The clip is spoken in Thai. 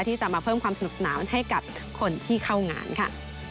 ที่จะมาเพิ่มความสนุกสนานให้กับคนที่เข้างานค่ะ